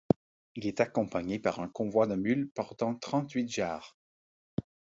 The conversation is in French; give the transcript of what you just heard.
Il est accompagné par un convoi de mules portant trente-huit jarres.